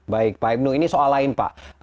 baik pak ibnu ini soal lain pak